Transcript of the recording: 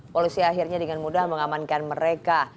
polisi akhirnya dengan mudah mengamankan mereka